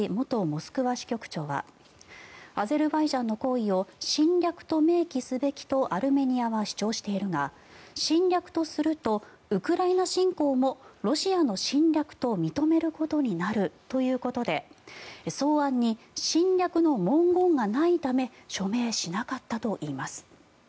モスクワ支局長はアゼルバイジャンの行為を侵略と明記すべきとアルメニアは主張しているが侵略とするとウクライナ侵攻もロシアの侵略と認めることになるということで草案に侵略の文言がないため署名しなかったといいます。